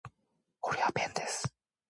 아버지, 그럼 갔다 오겠습니다.